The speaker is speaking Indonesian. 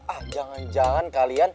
ah jangan jangan kalian